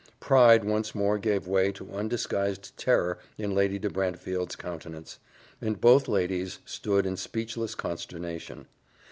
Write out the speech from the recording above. Pride once more gave way to undisguised terror in Lady de Brantefield's countenance, and both ladies stood in speechless consternation.